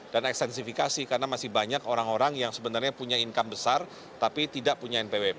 dan ekstensifikasi karena masih banyak orang orang yang sebenarnya punya income besar tapi tidak punya npwp